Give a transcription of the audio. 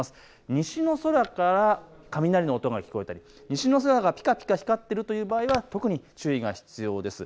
西の空から雷の音が聞こえている、西の空がぴかぴか光っているという場合は特に注意が必要です。